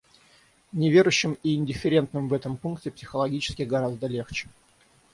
Неверующим и индифферентным в этом пункте психологически гораздо легче.